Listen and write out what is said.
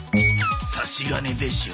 差し金でしょ。